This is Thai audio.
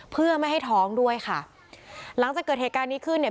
เพื่อไม่ให้ท้องด้วยค่ะหลังจากเกิดเหตุการณ์นี้ขึ้นเนี่ย